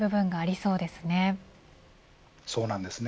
そうなんですね。